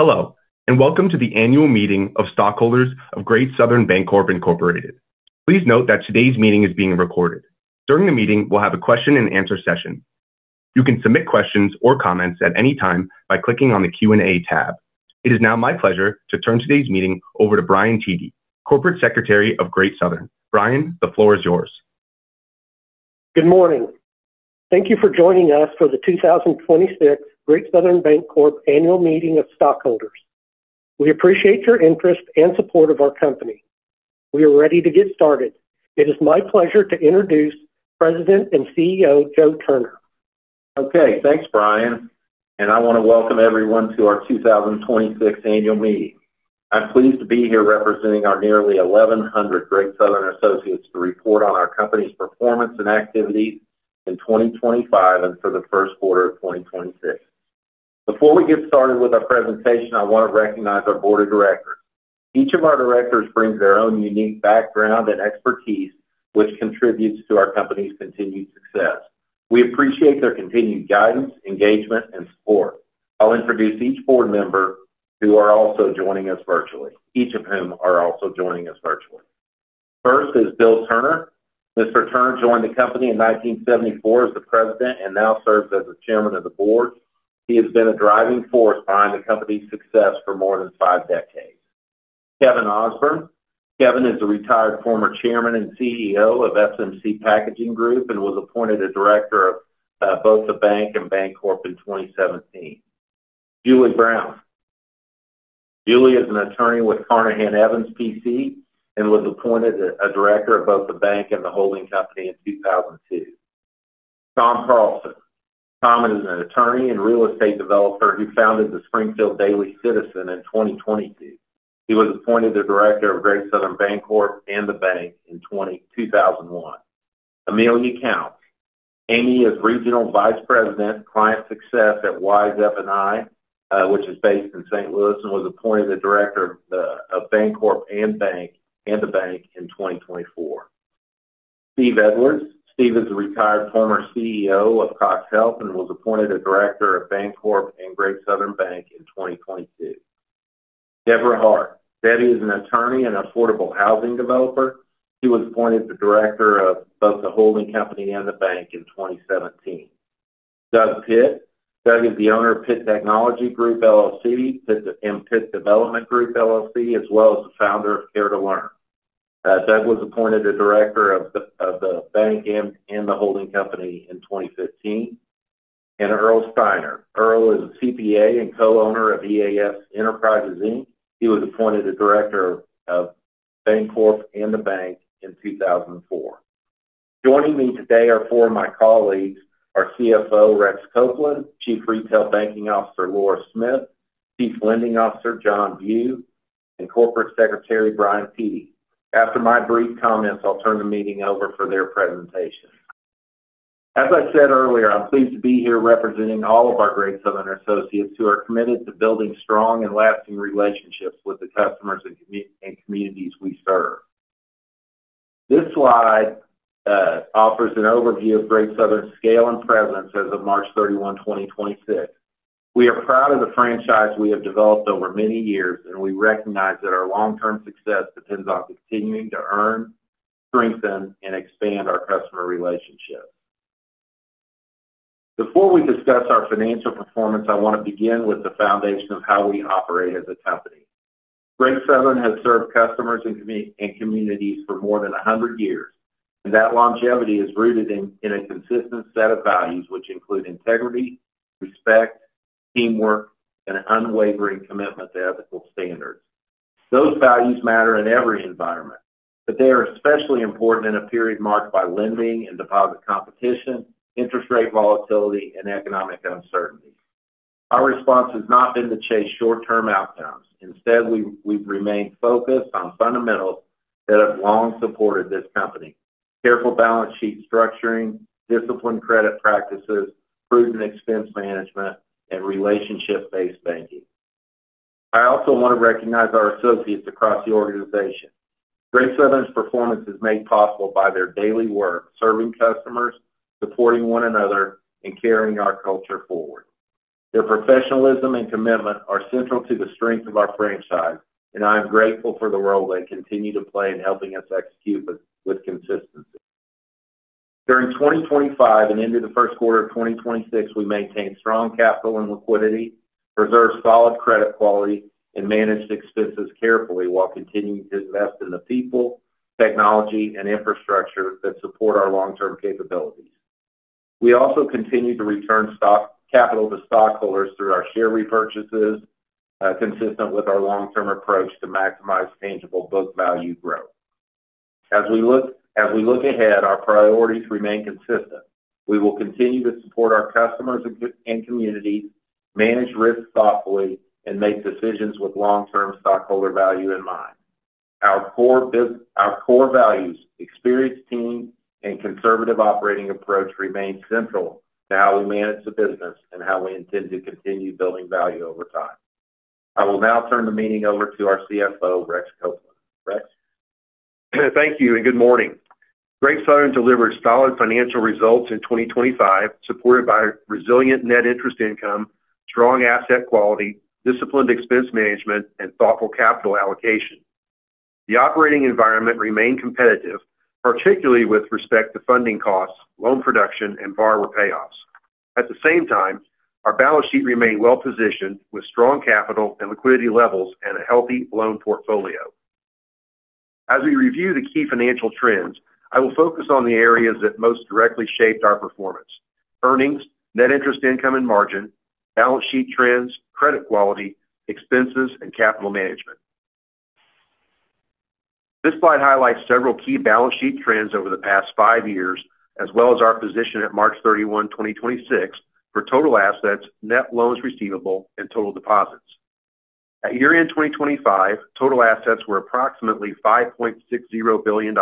Hello, welcome to the annual meeting of stockholders of Great Southern Bancorp, Inc.. Please note that today's meeting is being recorded. During the meeting, we'll have a question and answer session. You can submit questions or comments at any time by clicking on the Q&A tab. It is now my pleasure to turn today's meeting over to Brian Teague, Corporate Secretary of Great Southern. Brian, the floor is yours. Good morning. Thank you for joining us for the 2026 Great Southern Bancorp annual meeting of stockholders. We appreciate your interest and support of our company. We are ready to get started. It is my pleasure to introduce President and CEO, Joe Turner. Okay, thanks, Brian. I want to welcome everyone to our 2026 annual meeting. I'm pleased to be here representing our nearly 1,100 Great Southern associates to report on our company's performance and activities in 2025 and for the first quarter of 2026. Before we get started with our presentation, I want to recognize our board of directors. Each of our directors brings their own unique background and expertise, which contributes to our company's continued success. We appreciate their continued guidance, engagement, and support. I'll introduce each board member, each of whom are also joining us virtually. First is Bill Turner. Mr. Turner joined the company in 1974 as the president and now serves as the chairman of the board. He has been a driving force behind the company's success for more than five decades. Kevin R. Ausburn. Kevin is a retired former Chairman and CEO of SMC Packaging Group and was appointed a Director of both the bank and Bancorp in 2017. Julie Turner Brown. Julie is an attorney with Carnahan Evans PC and was appointed a Director of both the bank and the holding company in 2002. Thomas J. Carlson. Thomas is an attorney and real estate developer who founded the Springfield Daily Citizen in 2022. He was appointed a Director of Great Southern Bancorp and the bank in 2001. Amy Counts. Amy is Regional Vice President, Client Success at Wise F&I, which is based in St. Louis, and was appointed a Director of Bancorp and the bank in 2024. Steven D. Edwards. Steven is a retired former CEO of CoxHealth and was appointed a director of Bancorp and Great Southern Bank in 2022. Debra Hart. Debbbie is an attorney and affordable housing developer. She was appointed the director of both the holding company and the bank in 2017. Doug Pitt. Doug is the owner of Pitt Technology Group LLC and Pitt Development Group LLC, as well as the founder of Care to Learn. Doug was appointed a director of the bank and the holding company in 2015. Earl Steinert. Earl is a CPA and co-owner of EAS Investment Enterprises Inc. He was appointed a director of Bancorp and the bank in 2004. Joining me today are four of my colleagues, our CFO, Rex Copeland, Chief Retail Banking Officer, Laura Smith, Chief Lending Officer, John Bugh, and Corporate Secretary, Brian Teague. After my brief comments, I'll turn the meeting over for their presentation. As I said earlier, I'm pleased to be here representing all of our Great Southern associates who are committed to building strong and lasting relationships with the customers and communities we serve. This slide offers an overview of Great Southern's scale and presence as of March 31, 2026. We are proud of the franchise we have developed over many years, and we recognize that our long-term success depends on continuing to earn, strengthen, and expand our customer relationships. Before we discuss our financial performance, I want to begin with the foundation of how we operate as a company. Great Southern has served customers and communities for more than 100 years, and that longevity is rooted in a consistent set of values, which include integrity, respect, teamwork, and unwavering commitment to ethical standards. Those values matter in every environment. They are especially important in a period marked by lending and deposit competition, interest rate volatility, and economic uncertainty. Our response has not been to chase short-term outcomes. Instead, we've remained focused on fundamentals that have long supported this company. Careful balance sheet structuring, disciplined credit practices, prudent expense management, and relationship-based banking. I also want to recognize our associates across the organization. Great Southern's performance is made possible by their daily work serving customers, supporting one another, and carrying our culture forward. Their professionalism and commitment are central to the strength of our franchise, and I am grateful for the role they continue to play in helping us execute with consistency. During 2025 and into the first quarter of 2026, we maintained strong capital and liquidity, preserved solid credit quality, and managed expenses carefully while continuing to invest in the people, technology, and infrastructure that support our long-term capabilities. We also continued to return capital to stockholders through our share repurchases, consistent with our long-term approach to maximize tangible book value growth. As we look ahead, our priorities remain consistent. We will continue to support our customers and communities, manage risks thoughtfully, and make decisions with long-term stockholder value in mind. Our core values, experienced team, and conservative operating approach remain central to how we manage the business and how we intend to continue building value over time. I will now turn the meeting over to our CFO, Rex Copeland. Rex? Thank you, and good morning. Great Southern delivered solid financial results in 2025, supported by resilient net interest income, strong asset quality, disciplined expense management and thoughtful capital allocation. The operating environment remained competitive, particularly with respect to funding costs, loan production and borrower payoffs. At the same time, our balance sheet remained well-positioned with strong capital and liquidity levels and a healthy loan portfolio. As we review the key financial trends, I will focus on the areas that most directly shaped our performance, earnings, net interest income and margin, balance sheet trends, credit quality, expenses, and capital management. This slide highlights several key balance sheet trends over the past five years, as well as our position at March 31, 2026 for total assets, net loans receivable and total deposits. At year-end 2025, total assets were approximately $5.60 billion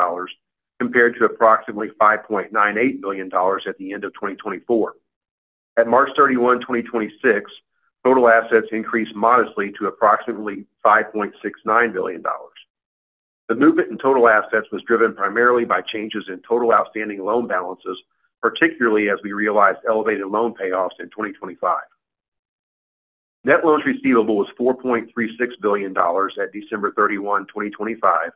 compared to approximately $5.98 billion at the end of 2024. At March 31, 2026, total assets increased modestly to approximately $5.69 billion. The movement in total assets was driven primarily by changes in total outstanding loan balances, particularly as we realized elevated loan payoffs in 2025. Net loans receivable was $4.36 billion at December 31, 2025,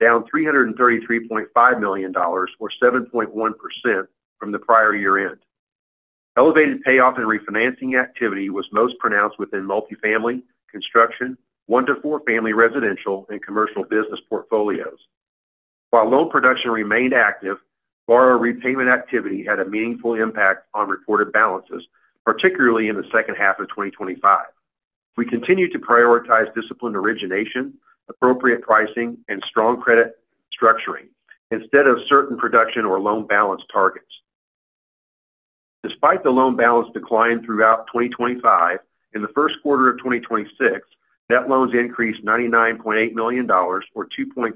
down $333.5 million or 7.1% from the prior year end. Elevated payoff and refinancing activity was most pronounced within multifamily, construction, 1-4 family residential and commercial business portfolios. While loan production remained active, borrower repayment activity had a meaningful impact on reported balances, particularly in the second half of 2025. We continued to prioritize disciplined origination, appropriate pricing and strong credit structuring instead of certain production or loan balance targets. Despite the loan balance decline throughout 2025, in the first quarter of 2026, net loans increased $99.8 million or 2.3%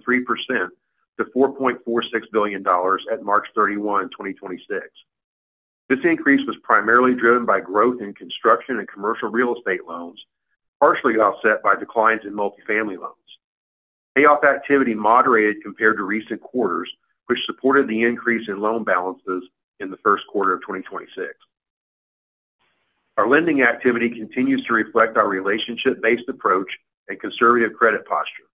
to $4.46 billion at March 31, 2026. This increase was primarily driven by growth in construction and commercial real estate loans, partially offset by declines in multifamily loans. Payoff activity moderated compared to recent quarters, which supported the increase in loan balances in the first quarter of 2026. Our lending activity continues to reflect our relationship-based approach and conservative credit posture.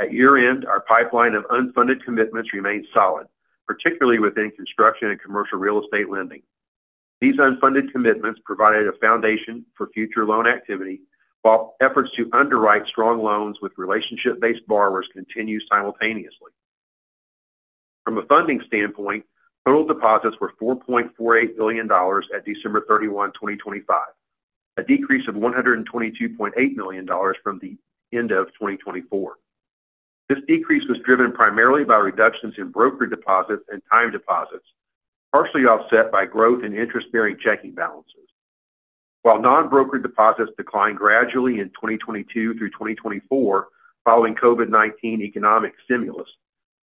At year end, our pipeline of unfunded commitments remained solid, particularly within construction and commercial real estate lending. These unfunded commitments provided a foundation for future loan activity, while efforts to underwrite strong loans with relationship-based borrowers continue simultaneously. From a funding standpoint, total deposits were $4.48 billion at December 31, 2025, a decrease of $122.8 million from the end of 2024. This decrease was driven primarily by reductions in broker deposits and time deposits, partially offset by growth in interest-bearing checking balances. While non-broker deposits declined gradually in 2022 through 2024 following COVID-19 economic stimulus,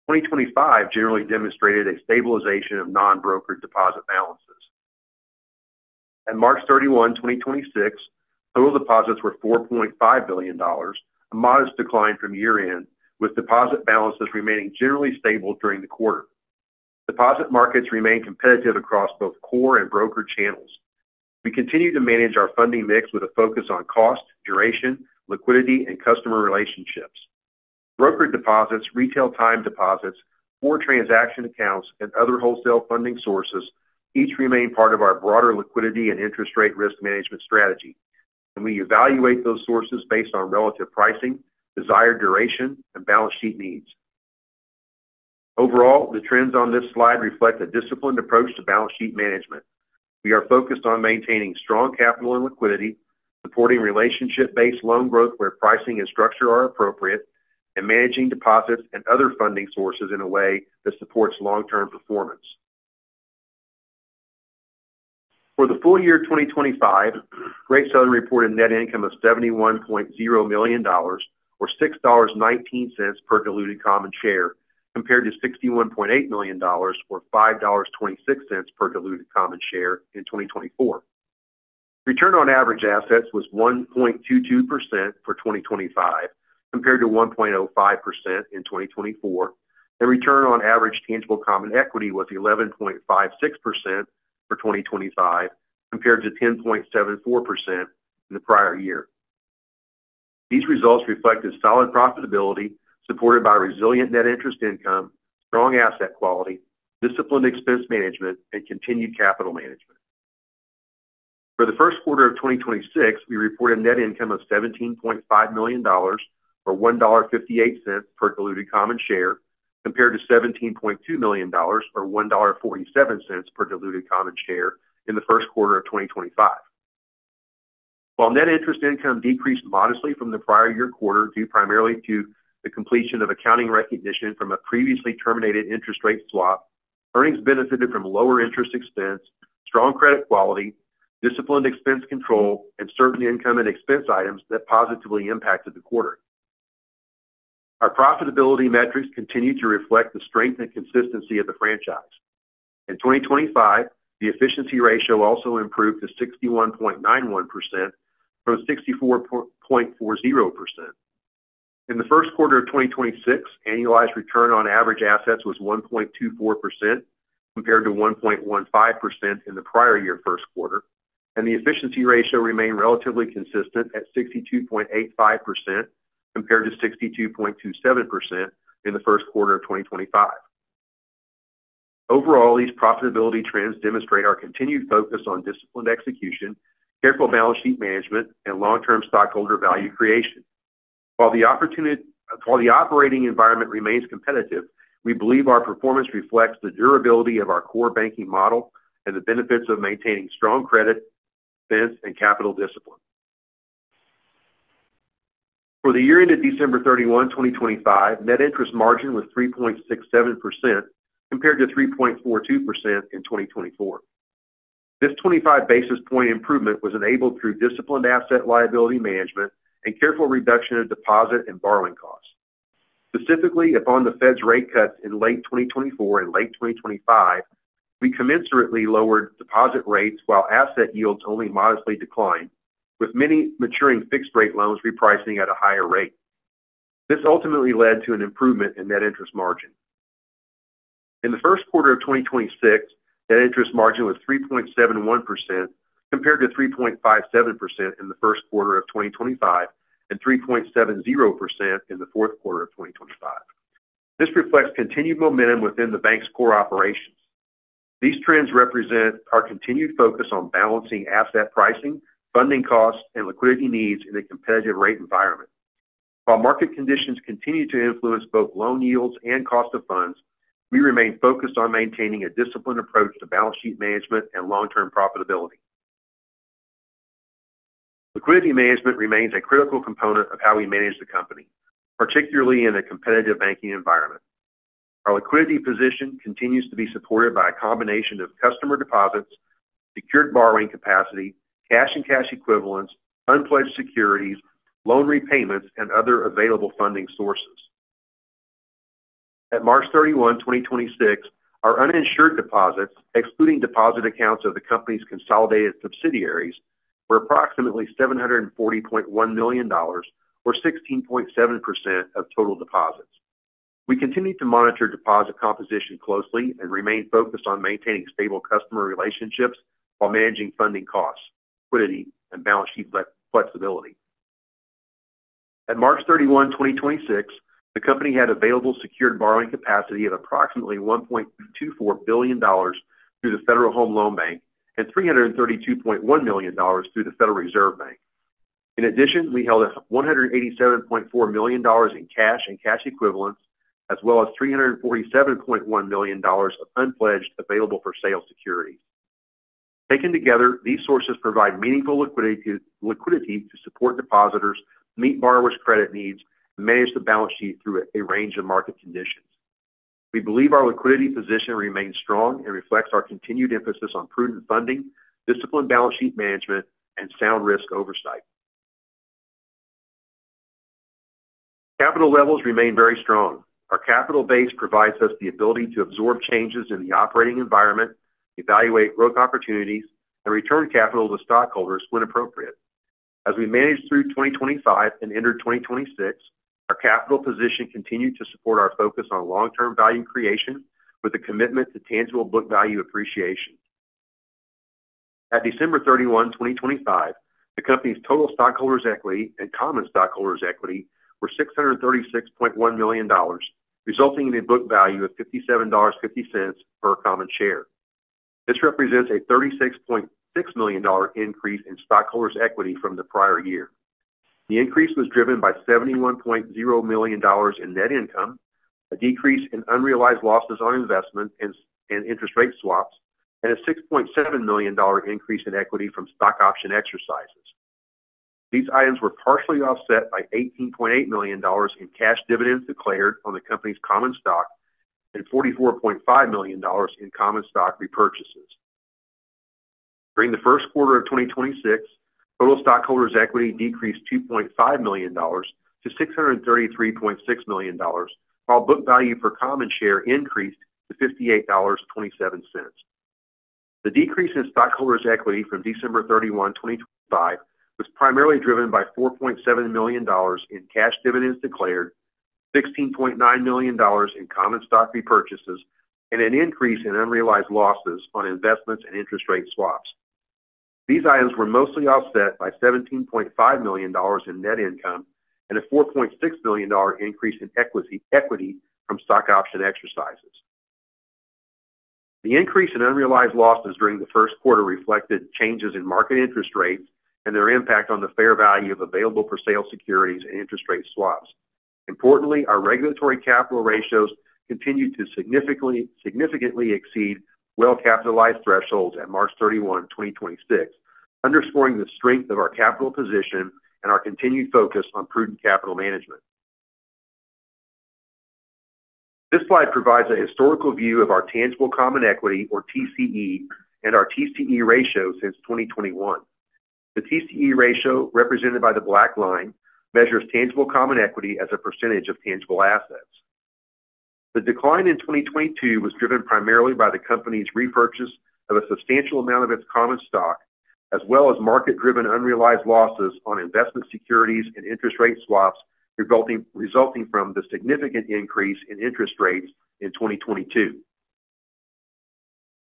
2025 generally demonstrated a stabilization of non-broker deposit balances. At March 31, 2026, total deposits were $4.5 billion, a modest decline from year end, with deposit balances remaining generally stable during the quarter. Deposit markets remain competitive across both core and broker channels. We continue to manage our funding mix with a focus on cost, duration, liquidity and customer relationships. Broker deposits, retail time deposits or transaction accounts and other wholesale funding sources each remain part of our broader liquidity and interest rate risk management strategy, and we evaluate those sources based on relative pricing, desired duration and balance sheet needs. Overall, the trends on this slide reflect a disciplined approach to balance sheet management. We are focused on maintaining strong capital and liquidity, supporting relationship-based loan growth where pricing and structure are appropriate, and managing deposits and other funding sources in a way that supports long-term performance. For the full year 2025, Great Southern reported net income of $71.0 million or $6.19 per diluted common share, compared to $61.8 million or $5.26 per diluted common share in 2024. Return on average assets was 1.22% for 2025 compared to 1.05% in 2024, and return on average tangible common equity was 11.56% for 2025 compared to 10.74% in the prior year. These results reflected solid profitability supported by resilient net interest income, strong asset quality, disciplined expense management and continued capital management. For the first quarter of 2026, we reported net income of $17.5 million, or $1.58 per diluted common share, compared to $17.2 million or $1.47 per diluted common share in the first quarter of 2025. While net interest income decreased modestly from the prior year quarter, due primarily to the completion of accounting recognition from a previously terminated interest rate swap, earnings benefited from lower interest expense, strong credit quality, disciplined expense control and certain income and expense items that positively impacted the quarter. Our profitability metrics continue to reflect the strength and consistency of the franchise. In 2025, the efficiency ratio also improved to 61.91% from 64.40%. In the first quarter of 2026, annualized return on average assets was 1.24% compared to 1.15% in the prior year first quarter, and the efficiency ratio remained relatively consistent at 62.85% compared to 62.27% in the first quarter of 2025. Overall, these profitability trends demonstrate our continued focus on disciplined execution, careful balance sheet management, and long-term stockholder value creation. While the operating environment remains competitive, we believe our performance reflects the durability of our core banking model and the benefits of maintaining strong credit, defense, and capital discipline. For the year ended December 31, 2025, net interest margin was 3.67% compared to 3.42% in 2024. This 25 basis point improvement was enabled through disciplined asset liability management and careful reduction of deposit and borrowing costs. Specifically, upon the Fed's rate cuts in late 2024 and late 2025, we commensurately lowered deposit rates while asset yields only modestly declined, with many maturing fixed rate loans repricing at a higher rate. This ultimately led to an improvement in net interest margin. In the first quarter of 2026, net interest margin was 3.71% compared to 3.57% in the first quarter of 2025 and 3.70% in the fourth quarter of 2025. This reflects continued momentum within the bank's core operations. These trends represent our continued focus on balancing asset pricing, funding costs, and liquidity needs in a competitive rate environment. While market conditions continue to influence both loan yields and cost of funds, we remain focused on maintaining a disciplined approach to balance sheet management and long-term profitability. Liquidity management remains a critical component of how we manage the company, particularly in a competitive banking environment. Our liquidity position continues to be supported by a combination of customer deposits, secured borrowing capacity, cash and cash equivalents, unpledged securities, loan repayments, and other available funding sources. At March 31, 2026, our uninsured deposits, excluding deposit accounts of the company's consolidated subsidiaries, were approximately $740.1 million or 16.7% of total deposits. We continue to monitor deposit composition closely and remain focused on maintaining stable customer relationships while managing funding costs, liquidity, and balance sheet flexibility. At March 31, 2026, the company had available secured borrowing capacity of approximately $1.24 billion through the Federal Home Loan Bank and $332.1 million through the Federal Reserve Bank. In addition, we held $187.4 million in cash and cash equivalents as well as $347.1 million of unpledged available-for-sale securities. Taken together, these sources provide meaningful liquidity to support depositors, meet borrowers' credit needs, and manage the balance sheet through a range of market conditions. We believe our liquidity position remains strong and reflects our continued emphasis on prudent funding, disciplined balance sheet management, and sound risk oversight. Capital levels remain very strong. Our capital base provides us the ability to absorb changes in the operating environment, evaluate growth opportunities, and return capital to stockholders when appropriate. As we managed through 2025 and entered 2026, our capital position continued to support our focus on long-term value creation with a commitment to tangible book value appreciation. At December 31, 2025, the company's total stockholders' equity and common stockholders' equity were $636.1 million, resulting in a book value of $57.50 per common share. This represents a $36.6 million increase in stockholders' equity from the prior year. The increase was driven by $71.0 million in net income, a decrease in unrealized losses on investment in interest rate swaps, and a $6.7 million increase in equity from stock option exercises. These items were partially offset by $18.8 million in cash dividends declared on the company's common stock and $44.5 million in common stock repurchases. During the first quarter of 2026, total stockholders' equity decreased $2.5 million-$633.6 million, while book value per common share increased to $58.27. The decrease in stockholders' equity from December 31, 2025 was primarily driven by $4.7 million in cash dividends declared, $16.9 million in common stock repurchases, and an increase in unrealized losses on investments and interest rate swaps. These items were mostly offset by $17.5 million in net income and a $4.6 million increase in equity from stock option exercises. The increase in unrealized losses during the first quarter reflected changes in market interest rates and their impact on the fair value of available-for-sale securities and interest rate swaps. Importantly, our regulatory capital ratios continued to significantly exceed well-capitalized thresholds at March 31, 2026, underscoring the strength of our capital position and our continued focus on prudent capital management. This slide provides a historical view of our tangible common equity, or TCE, and our TCE ratio since 2021. The TCE ratio represented by the black line measures tangible common equity as a percentage of tangible assets. The decline in 2022 was driven primarily by the company's repurchase of a substantial amount of its common stock, as well as market-driven unrealized losses on investment securities and interest rate swaps resulting from the significant increase in interest rates in 2022.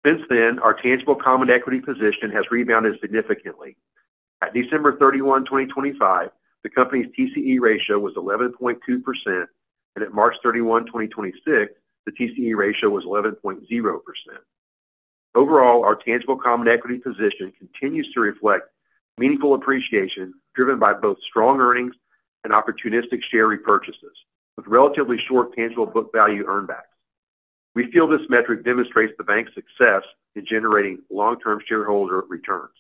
Since then, our tangible common equity position has rebounded significantly. At December 31, 2025, the company's TCE ratio was 11.2%, and at March 31, 2026, the TCE ratio was 11.0%. Overall, our tangible common equity position continues to reflect meaningful appreciation driven by both strong earnings and opportunistic share repurchases with relatively short tangible book value earn backs. We feel this metric demonstrates the bank's success in generating long-term shareholder returns.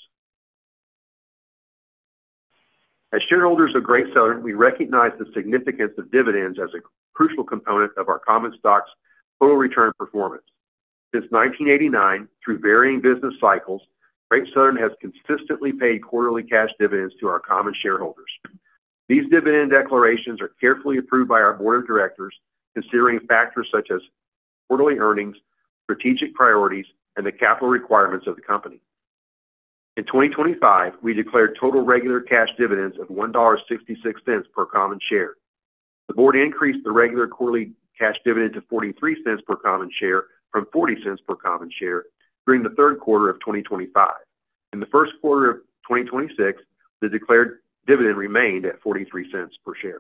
As shareholders of Great Southern, we recognize the significance of dividends as a crucial component of our common stock's total return performance. Since 1989, through varying business cycles, Great Southern has consistently paid quarterly cash dividends to our common shareholders. These dividend declarations are carefully approved by our board of directors, considering factors such as quarterly earnings, strategic priorities, and the capital requirements of the company. In 2025, we declared total regular cash dividends of $1.66 per common share. The board increased the regular quarterly cash dividend to $0.43 per common share from $0.40 per common share during the third quarter of 2025. In the first quarter of 2026, the declared dividend remained at $0.43 per share.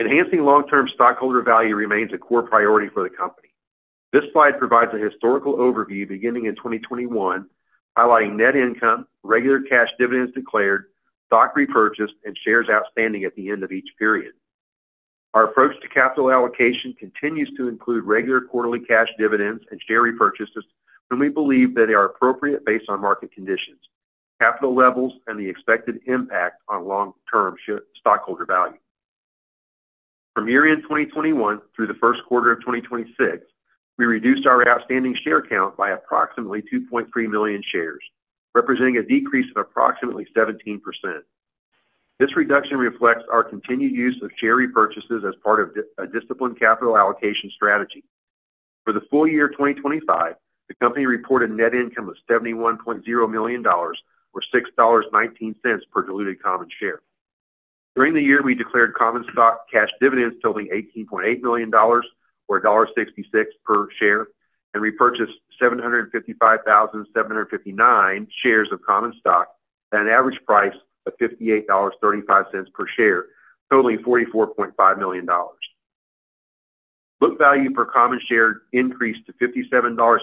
Enhancing long-term stockholder value remains a core priority for the company. This slide provides a historical overview beginning in 2021, highlighting net income, regular cash dividends declared, stock repurchased, and shares outstanding at the end of each period. Our approach to capital allocation continues to include regular quarterly cash dividends and share repurchases when we believe that they are appropriate based on market conditions, capital levels, and the expected impact on long-term stockholder value. From year-end 2021 through the first quarter of 2026, we reduced our outstanding share count by approximately 2.3 million shares, representing a decrease of approximately 17%. This reduction reflects our continued use of share repurchases as part of a disciplined capital allocation strategy. For the full year of 2025, the company reported net income of $71.0 million or $6.19 per diluted common share. During the year, we declared common stock cash dividends totaling $18.8 million or $1.66 per share, and repurchased 755,759 shares of common stock at an average price of $58.35 per share, totaling $44.5 million. Book value per common share increased to $57.50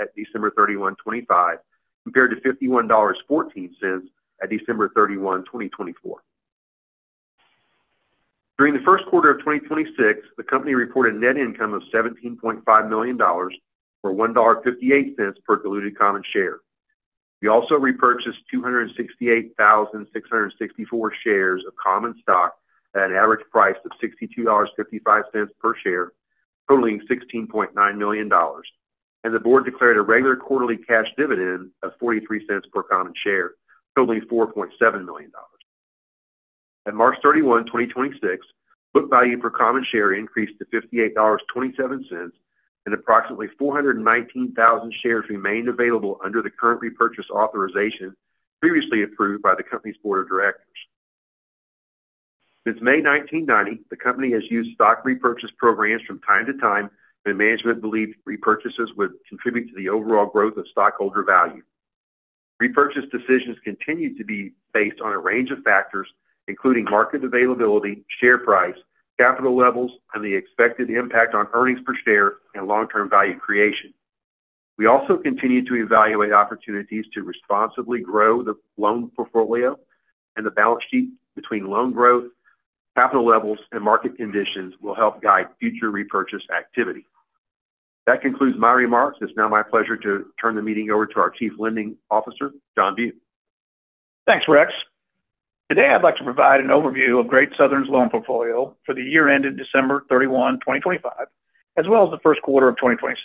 at December 31, 2025, compared to $51.14 at December 31, 2024. During the first quarter of 2026, the company reported net income of $17.5 million for $1.58 per diluted common share. We also repurchased 268,664 shares of common stock at an average price of $62.55 per share, totaling $16.9 million. The board declared a regular quarterly cash dividend of $0.43 per common share, totaling $4.7 million. At March 31, 2026, book value per common share increased to $58.27 and approximately 419,000 shares remained available under the current repurchase authorization previously approved by the company's Board of Directors. Since May 1990, the company has used stock repurchase programs from time to time when management believed repurchases would contribute to the overall growth of stockholder value. Repurchase decisions continue to be based on a range of factors, including market availability, share price, capital levels, and the expected impact on earnings per share and long-term value creation. We also continue to evaluate opportunities to responsibly grow the loan portfolio and the balance sheet between loan growth, capital levels, and market conditions will help guide future repurchase activity. That concludes my remarks. It's now my pleasure to turn the meeting over to our Chief Lending Officer, John Bugh. Thanks, Rex. Today, I'd like to provide an overview of Great Southern's loan portfolio for the year ended December 31, 2025, as well as the first quarter of 2026.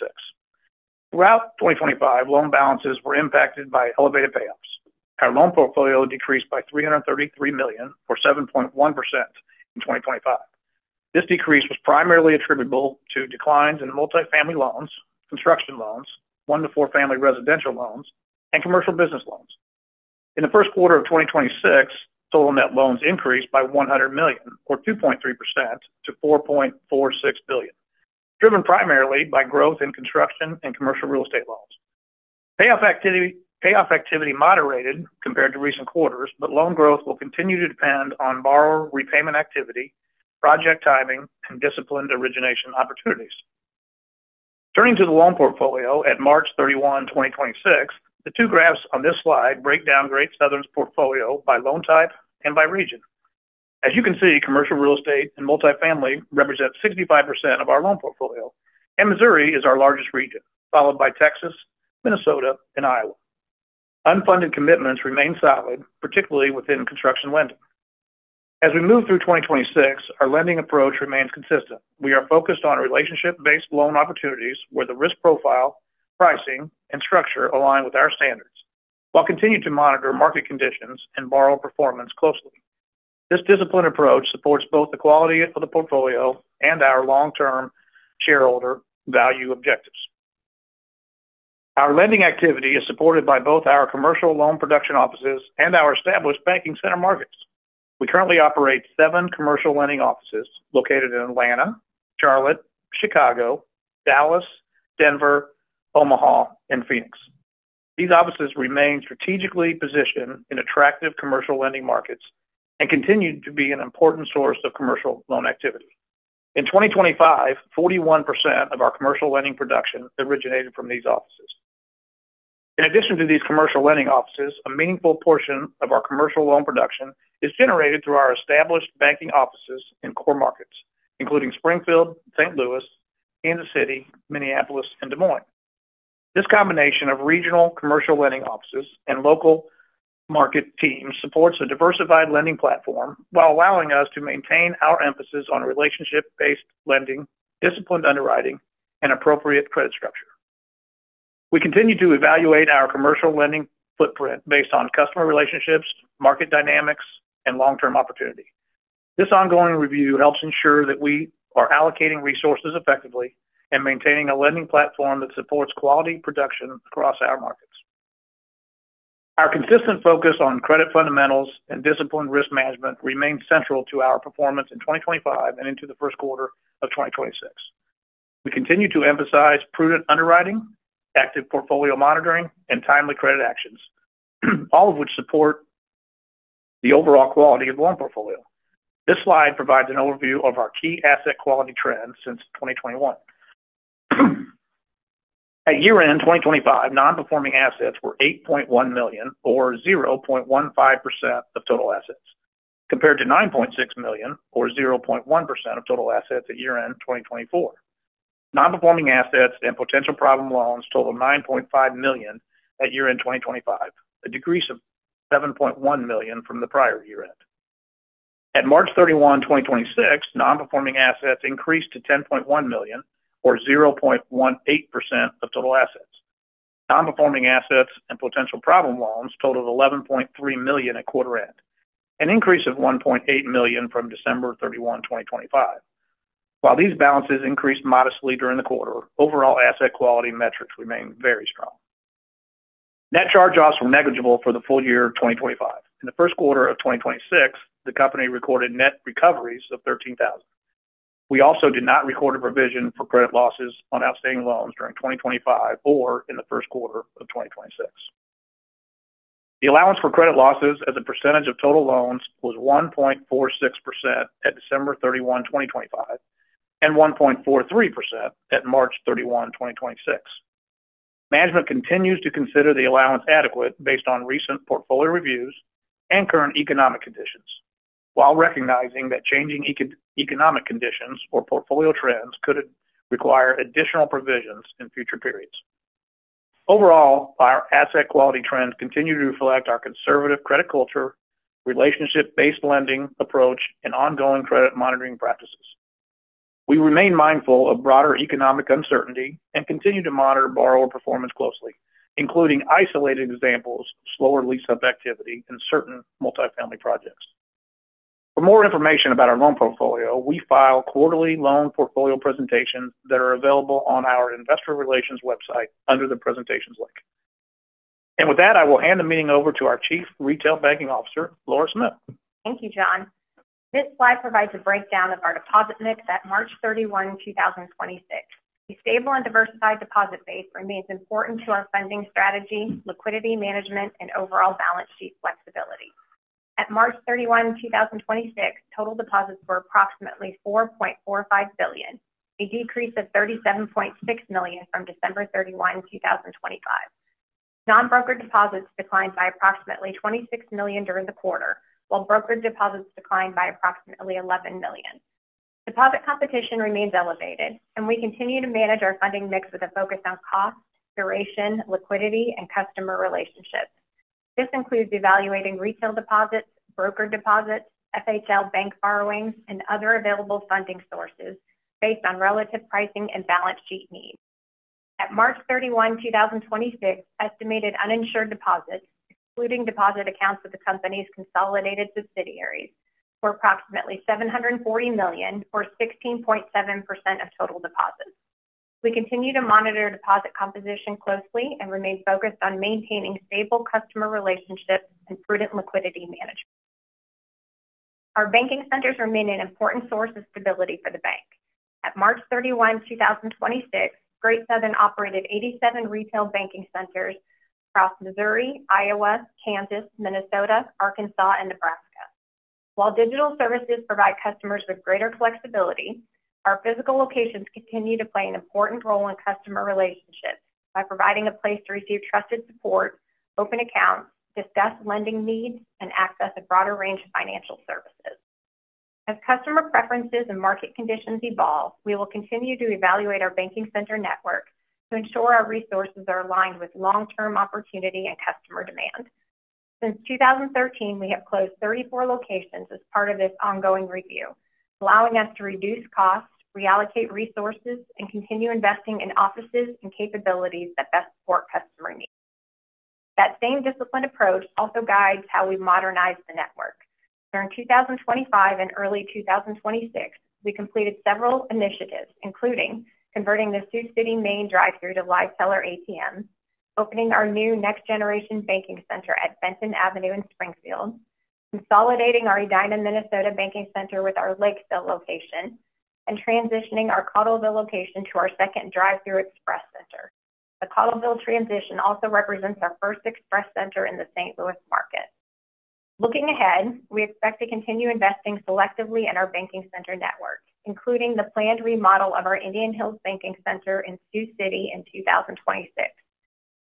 Throughout 2025, loan balances were impacted by elevated payoffs. Our loan portfolio decreased by $333 million or 7.1% in 2025. This decrease was primarily attributable to declines in multifamily loans, construction loans, 1-4 family residential loans, and commercial business loans. In the first quarter of 2026, total net loans increased by $100 million, or 2.3% to $4.46 billion, driven primarily by growth in construction and commercial real estate loans. Payoff activity moderated compared to recent quarters, but loan growth will continue to depend on borrower repayment activity, project timing, and disciplined origination opportunities. Turning to the loan portfolio at March 31, 2026, the two graphs on this slide break down Great Southern's portfolio by loan type and by region. As you can see, commercial real estate and multifamily represent 65% of our loan portfolio, and Missouri is our largest region, followed by Texas, Minnesota, and Iowa. Unfunded commitments remain solid, particularly within construction lending. As we move through 2026, our lending approach remains consistent. We are focused on relationship-based loan opportunities where the risk profile, pricing, and structure align with our standards, while continuing to monitor market conditions and borrower performance closely. This disciplined approach supports both the quality of the portfolio and our long-term shareholder value objectives. Our lending activity is supported by both our commercial loan production offices and our established banking center markets. We currently operate seven commercial lending offices located in Atlanta, Charlotte, Chicago, Dallas, Denver, Omaha, and Phoenix. These offices remain strategically positioned in attractive commercial lending markets and continue to be an important source of commercial loan activity. In 2025, 41% of our commercial lending production originated from these offices. In addition to these commercial lending offices, a meaningful portion of our commercial loan production is generated through our established banking offices in core markets, including Springfield, St. Louis, Kansas City, Minneapolis, and Des Moines. This combination of regional commercial lending offices and local market teams supports a diversified lending platform while allowing us to maintain our emphasis on relationship-based lending, disciplined underwriting, and appropriate credit structure. We continue to evaluate our commercial lending footprint based on customer relationships, market dynamics, and long-term opportunity. This ongoing review helps ensure that we are allocating resources effectively and maintaining a lending platform that supports quality production across our markets. Our consistent focus on credit fundamentals and disciplined risk management remained central to our performance in 2025 and into the first quarter of 2026. We continue to emphasize prudent underwriting, active portfolio monitoring, and timely credit actions, all of which support the overall quality of the loan portfolio. This slide provides an overview of our key asset quality trends since 2021. At year-end 2025, non-performing assets were $8.1 million or 0.15% of total assets, compared to $9.6 million or 0.1% of total assets at year-end 2024. Non-performing assets and potential problem loans totaled $9.5 million at year-end 2025, a decrease of $7.1 million from the prior year-end. At March 31, 2026, non-performing assets increased to $10.1 million or 0.18% of total assets. Non-performing assets and potential problem loans totaled $11.3 million at quarter-end, an increase of $1.8 million from December 31, 2025. While these balances increased modestly during the quarter, overall asset quality metrics remained very strong. Net charge-offs were negligible for the full year of 2025. In the first quarter of 2026, the company recorded net recoveries of $13,000. We also did not record a provision for credit losses on outstanding loans during 2025 or in the first quarter of 2026. The allowance for credit losses as a percentage of total loans was 1.46% at December 31, 2025 and 1.43% at March 31, 2026. Management continues to consider the allowance adequate based on recent portfolio reviews and current eco-economic conditions, while recognizing that changing eco-economic conditions or portfolio trends could require additional provisions in future periods. Our asset quality trends continue to reflect our conservative credit culture, relationship-based lending approach, and ongoing credit monitoring practices. We remain mindful of broader economic uncertainty and continue to monitor borrower performance closely, including isolated examples of slower lease-up activity in certain multifamily projects. For more information about our loan portfolio, we file quarterly loan portfolio presentations that are available on our investor relations website under the presentations link. With that, I will hand the meeting over to our Chief Retail Banking Officer, Laura Smith. Thank you, John. This slide provides a breakdown of our deposit mix at March 31, 2026. A stable and diversified deposit base remains important to our funding strategy, liquidity management, and overall balance sheet flexibility. At March 31, 2026, total deposits were approximately $4.45 billion, a decrease of $37.6 million from December 31, 2025. Non-broker deposits declined by approximately $26 million during the quarter, while broker deposits declined by approximately $11 million. Deposit competition remains elevated, and we continue to manage our funding mix with a focus on cost, duration, liquidity, and customer relationships. This includes evaluating retail deposits, broker deposits, FHL Bank borrowings, and other available funding sources based on relative pricing and balance sheet needs. At March 31, 2026, estimated uninsured deposits, excluding deposit accounts of the company's consolidated subsidiaries, were approximately $740 million, or 16.7% of total deposits. We continue to monitor deposit composition closely and remain focused on maintaining stable customer relationships and prudent liquidity management. Our banking centers remain an important source of stability for the bank. At March 31, 2026, Great Southern operated 87 retail banking centers across Missouri, Iowa, Kansas, Minnesota, Arkansas, and Nebraska. While digital services provide customers with greater flexibility, our physical locations continue to play an important role in customer relationships by providing a place to receive trusted support, open accounts, discuss lending needs, and access a broader range of financial services. As customer preferences and market conditions evolve, we will continue to evaluate our banking center network to ensure our resources are aligned with long-term opportunity and customer demand. Since 2013, we have closed 34 locations as part of this ongoing review, allowing us to reduce costs, reallocate resources, and continue investing in offices and capabilities that best support customer needs. That same disciplined approach also guides how we modernize the network. During 2025 and early 2026, we completed several initiatives, including converting the Sioux City main drive-through to live teller ATMs, opening our new next-generation banking center at Benton Avenue in Springfield, consolidating our Edina, Minnesota banking center with our Lakeville location, and transitioning our Cottleville location to our second drive-through express center. The Cottleville transition also represents our first express center in the St. Louis market. Looking ahead, we expect to continue investing selectively in our banking center network, including the planned remodel of our Indian Hills banking center in Sioux City in 2026.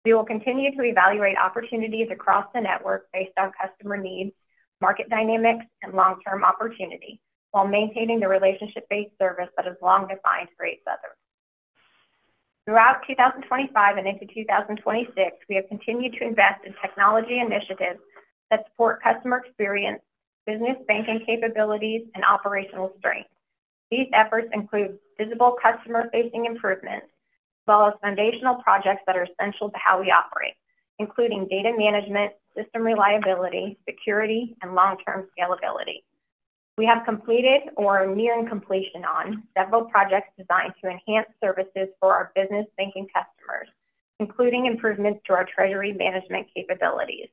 We will continue to evaluate opportunities across the network based on customer needs, market dynamics, and long-term opportunity, while maintaining the relationship-based service that has long defined Great Southern. Throughout 2025 and into 2026, we have continued to invest in technology initiatives that support customer experience, business banking capabilities, and operational strength. These efforts include visible customer-facing improvements, as well as foundational projects that are essential to how we operate, including data management, system reliability, security, and long-term scalability. We have completed or are nearing completion on several projects designed to enhance services for our business banking customers, including improvements to our treasury management capabilities.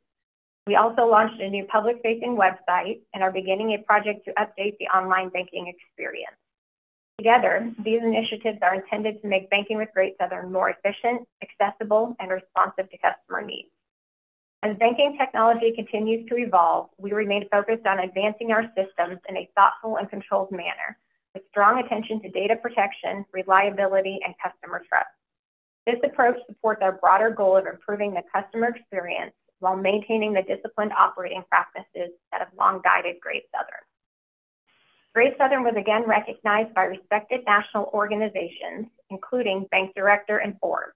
We also launched a new public-facing website and are beginning a project to update the online banking experience. Together, these initiatives are intended to make banking with Great Southern more efficient, accessible, and responsive to customer needs. As banking technology continues to evolve, we remain focused on advancing our systems in a thoughtful and controlled manner with strong attention to data protection, reliability, and customer trust. This approach supports our broader goal of improving the customer experience while maintaining the disciplined operating practices that have long guided Great Southern. Great Southern was again recognized by respected national organizations, including Bank Director and Forbes.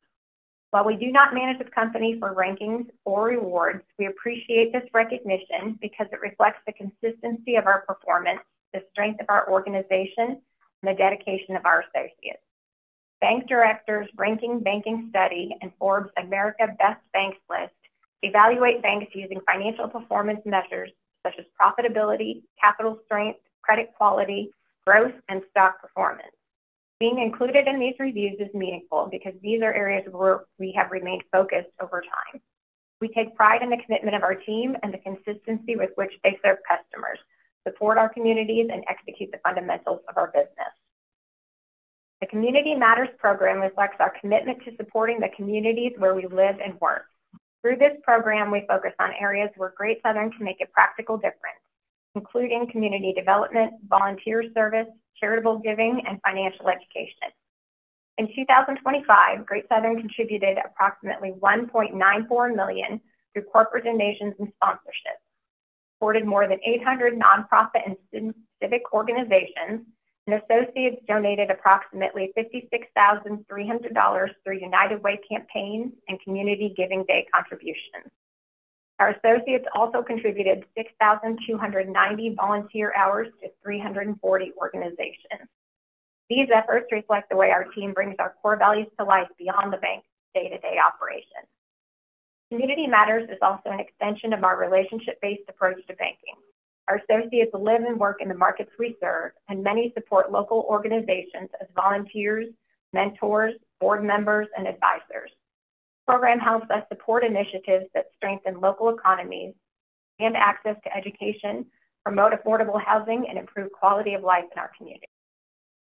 While we do not manage the company for rankings or rewards, we appreciate this recognition because it reflects the consistency of our performance, the strength of our organization, and the dedication of our associates. Bank Director's RankingBanking study and Forbes' America's Best Banks list evaluate banks using financial performance measures such as profitability, capital strength, credit quality, growth, and stock performance. Being included in these reviews is meaningful because these are areas where we have remained focused over time. We take pride in the commitment of our team and the consistency with which they serve customers, support our communities, and execute the fundamentals of our business. The Community Matters program reflects our commitment to supporting the communities where we live and work. Through this program, we focus on areas where Great Southern can make a practical difference, including community development, volunteer service, charitable giving, and financial education. In 2025, Great Southern contributed approximately $1.94 million through corporate donations and sponsorships, supported more than 800 nonprofit and civic organizations, and associates donated approximately $56,300 through United Way campaigns and community giving day contributions. Our associates also contributed 6,290 volunteer hours to 340 organizations. These efforts reflect the way our team brings our core values to life beyond the bank's day-to-day operations. Community Matters is also an extension of our relationship-based approach to banking. Our associates live and work in the markets we serve, and many support local organizations as volunteers, mentors, board members, and advisors. The program helps us support initiatives that strengthen local economies, expand access to education, promote affordable housing, and improve quality of life in our communities.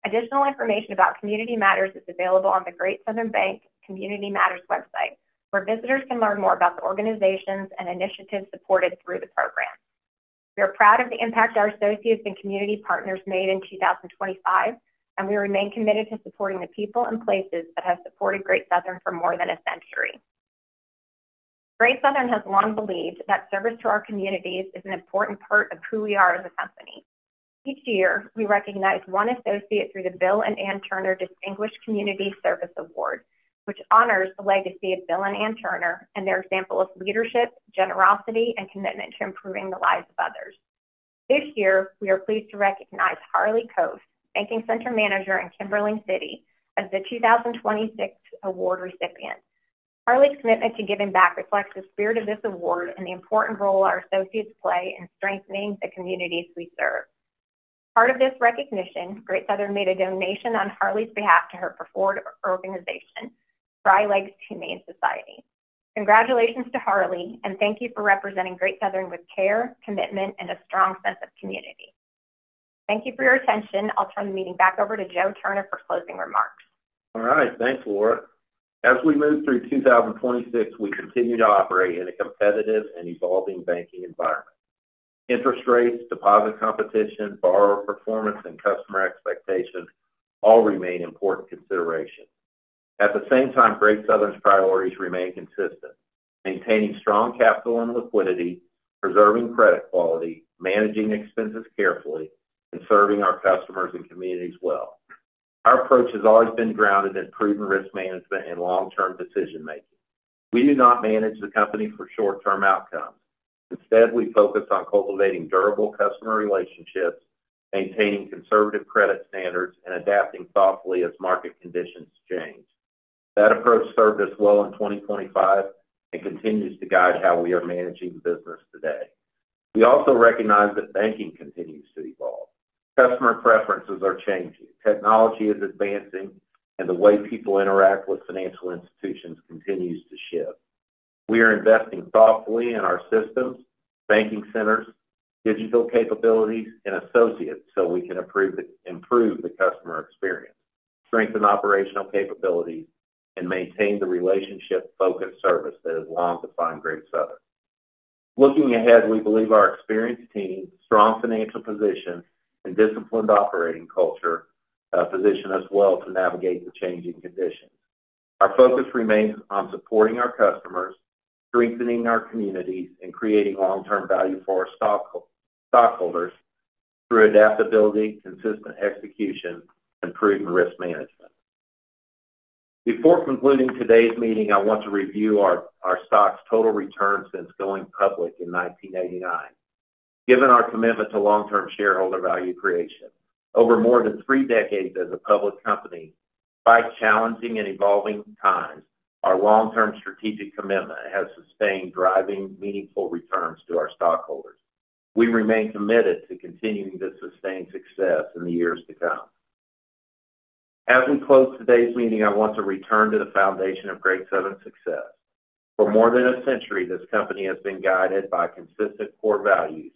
Additional information about Community Matters is available on the Great Southern Bank Community Matters website, where visitors can learn more about the organizations and initiatives supported through the program. We are proud of the impact our associates and community partners made in 2025, and we remain committed to supporting the people and places that have supported Great Southern for more than one century. Great Southern has long believed that service to our communities is an important part of who we are as a company. Each year, we recognize one associate through the Bill and Ann Turner Distinguished Community Service Award, which honors the legacy of Bill and Ann Turner and their example of leadership, generosity, and commitment to improving the lives of others. This year, we are pleased to recognize Harlie Koth, banking center manager in Kimberling City, as the 2026 award recipient. Harlie's commitment to giving back reflects the spirit of this award and the important role our associates play in strengthening the communities we serve. Part of this recognition, Great Southern made a donation on Harlie's behalf to her preferred organization, Dry Legs Humane Society. Congratulations to Harlie, thank you for representing Great Southern with care, commitment, and a strong sense of community. Thank you for your attention. I'll turn the meeting back over to Joe Turner for closing remarks. All right. Thanks, Laura. As we move through 2026, we continue to operate in a competitive and evolving banking environment. Interest rates, deposit competition, borrower performance, and customer expectations all remain important considerations. At the same time, Great Southern's priorities remain consistent: maintaining strong capital and liquidity, preserving credit quality, managing expenses carefully, and serving our customers and communities well. Our approach has always been grounded in proven risk management and long-term decision-making. We do not manage the company for short-term outcomes. Instead, we focus on cultivating durable customer relationships, maintaining conservative credit standards, and adapting thoughtfully as market conditions change. That approach served us well in 2025 and continues to guide how we are managing the business today. We also recognize that banking continues to evolve. Customer preferences are changing. Technology is advancing, and the way people interact with financial institutions continues to shift. We are investing thoughtfully in our systems, banking centers, digital capabilities, and associates so we can improve the customer experience, strengthen operational capabilities, and maintain the relationship-focused service that has long defined Great Southern. Looking ahead, we believe our experienced team, strong financial position, and disciplined operating culture position us well to navigate the changing conditions. Our focus remains on supporting our customers, strengthening our communities, and creating long-term value for our stockholders through adaptability, consistent execution, and proven risk management. Before concluding today's meeting, I want to review our stock's total return since going public in 1989. Given our commitment to long-term shareholder value creation, over more than three decades as a public company, by challenging and evolving times, our long-term strategic commitment has sustained driving meaningful returns to our stockholders. We remain committed to continuing this sustained success in the years to come. As we close today's meeting, I want to return to the foundation of Great Southern's success. For more than a century, this company has been guided by consistent core values: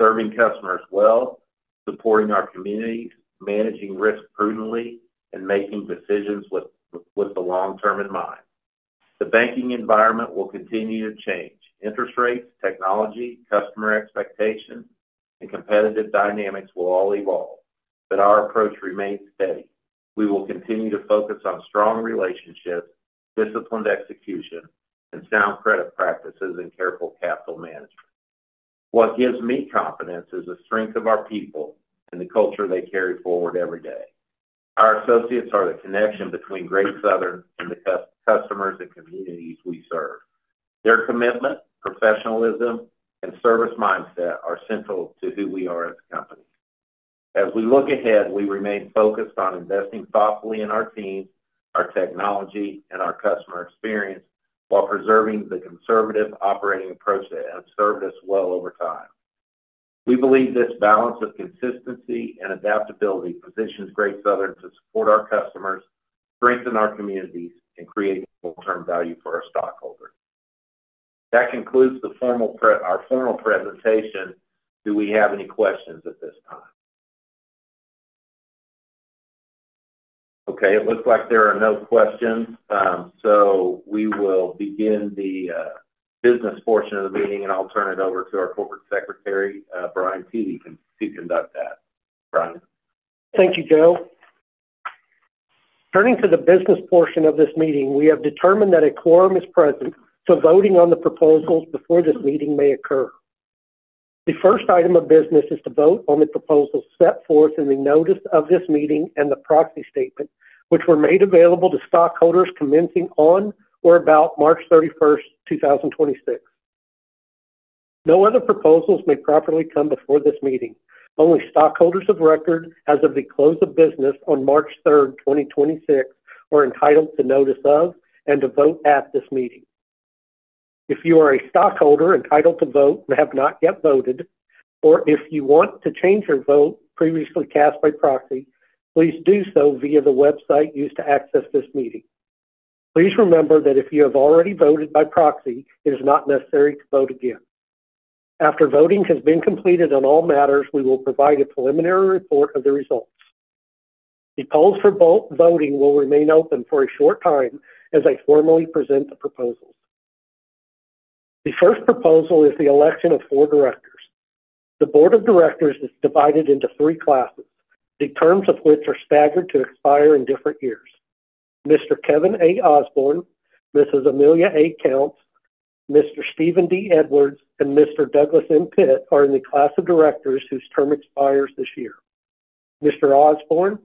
serving customers well, supporting our communities, managing risks prudently, and making decisions with the long term in mind. The banking environment will continue to change. Interest rates, technology, customer expectations, and competitive dynamics will all evolve, but our approach remains steady. We will continue to focus on strong relationships, disciplined execution, and sound credit practices and careful capital management. What gives me confidence is the strength of our people and the culture they carry forward every day. Our associates are the connection between Great Southern and the customers and communities we serve. Their commitment, professionalism, and service mindset are central to who we are as a company. As we look ahead, we remain focused on investing thoughtfully in our team, our technology, and our customer experience while preserving the conservative operating approach that has served us well over time. We believe this balance of consistency and adaptability positions Great Southern to support our customers, strengthen our communities, and create long-term value for our stockholders. That concludes our formal presentation. Do we have any questions at this time? Okay, it looks like there are no questions. We will begin the business portion of the meeting, and I'll turn it over to our Corporate Secretary, Brian Teague, to conduct that. Brian? Thank you, Joe. Turning to the business portion of this meeting, we have determined that a quorum is present for voting on the proposals before this meeting may occur. The first item of business is to vote on the proposals set forth in the notice of this meeting and the proxy statement, which were made available to stockholders commencing on or about March 31, 2026. No other proposals may properly come before this meeting. Only stockholders of record as of the close of business on March third, 2026 are entitled to notice of and to vote at this meeting. If you are a stockholder entitled to vote and have not yet voted, or if you want to change your vote previously cast by proxy, please do so via the website used to access this meeting. Please remember that if you have already voted by proxy, it is not necessary to vote again. After voting has been completed on all matters, we will provide a preliminary report of the results. The polls for voting will remain open for a short time as I formally present the proposals. The first proposal is the election of four directors. The board of directors is divided into three classes, the terms of which are staggered to expire in different years. Mr. Kevin R. Ausburn, Mrs. Amelia A. Counts, Mr. Steven D. Edwards, and Mr. Douglas M. Pitt are in the class of directors whose term expires this year. Mr. Ausburn,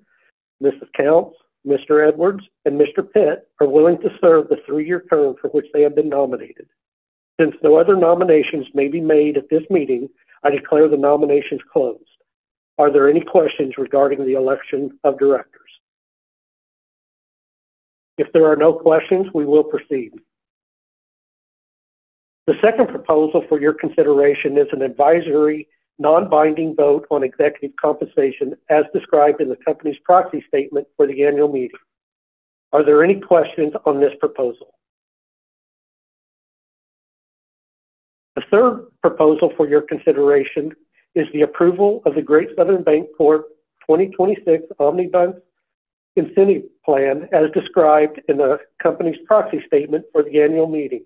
Mrs. Counts, Mr. Edwards, and Mr. Pitt are willing to serve the three-year term for which they have been nominated. Since no other nominations may be made at this meeting, I declare the nominations closed. Are there any questions regarding the election of directors? If there are no questions, we will proceed. The second proposal for your consideration is an advisory non-binding vote on executive compensation as described in the company's proxy statement for the annual meeting. Are there any questions on this proposal? The third proposal for your consideration is the approval of the Great Southern Bancorp 2026 Omnibus Incentive Plan as described in the company's proxy statement for the annual meeting.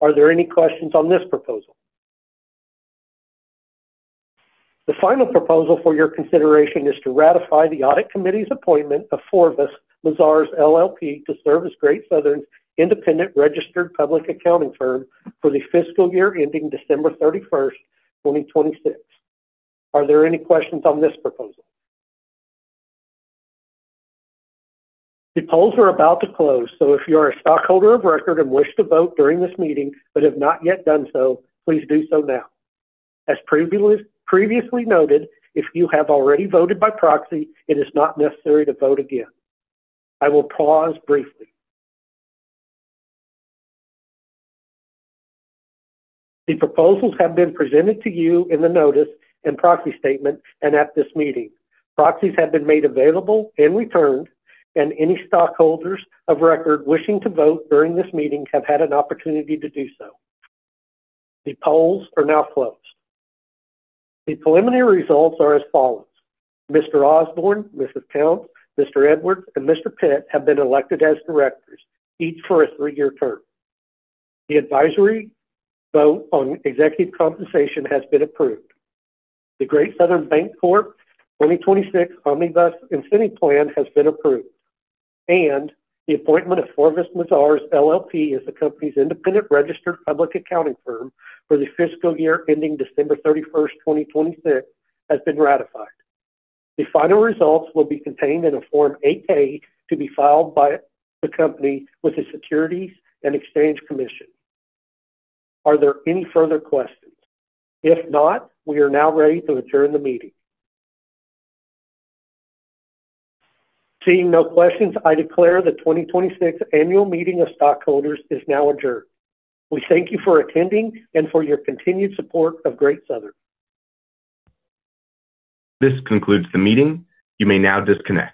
Are there any questions on this proposal? The final proposal for your consideration is to ratify the audit committee's appointment of Forvis Mazars, LLP to serve as Great Southern's independent registered public accounting firm for the fiscal year ending December 31, 2026. Are there any questions on this proposal? The polls are about to close, if you are a stockholder of record and wish to vote during this meeting but have not yet done so, please do so now. As previously noted, if you have already voted by proxy, it is not necessary to vote again. I will pause briefly. The proposals have been presented to you in the notice and proxy statement and at this meeting. Proxies have been made available and returned, and any stockholders of record wishing to vote during this meeting have had an opportunity to do so. The polls are now closed. The preliminary results are as follows: Mr. Ausburn, Mrs. Counts, Mr. Edwards, and Mr. Pitt have been elected as directors, each for a three-year term. The advisory vote on executive compensation has been approved. The Great Southern Bancorp, Inc. 2026 Omnibus Incentive Plan has been approved. The appointment of Forvis Mazars LLP as the company's independent registered public accounting firm for the fiscal year ending December 31st, 2026, has been ratified. The final results will be contained in a Form 8-K to be filed by the company with the Securities and Exchange Commission. Are there any further questions? If not, we are now ready to adjourn the meeting. Seeing no questions, I declare the 2026 annual meeting of stockholders is now adjourned. We thank you for attending and for your continued support of Great Southern. This concludes the meeting. You may now disconnect.